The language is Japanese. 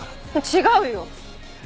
違うよ！